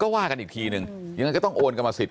บอกแล้วบอกแล้วบอกแล้วบอกแล้วบอกแล้ว